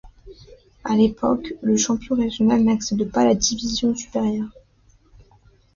À l'époque, le champion régional n'accède pas à la division supérieure.